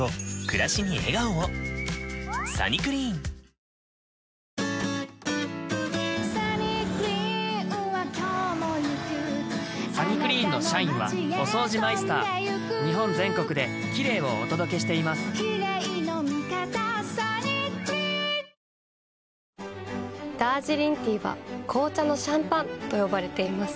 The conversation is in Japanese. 道路には植木鉢や破ダージリンティーは紅茶のシャンパンと呼ばれています。